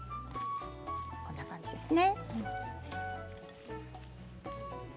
こんな感じですね。